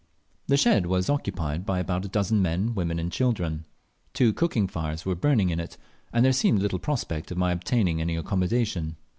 The shed was occupied by about a dozen men, women, and children; two cooking fires were burning in it, and there seemed little prospect of my obtaining any accommodation.